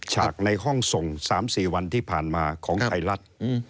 ฉากในห้องส่ง๓๔วันที่ผ่านมาของไทยรัฐ